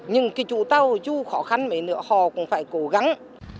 nhưng cái chủ tàu chú khó khăn mấy nửa họ cũng phải cố gắng